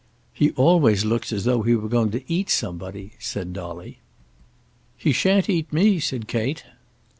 "He always looks as though he were going to eat somebody," said Dolly. "He shan't eat me," said Kate.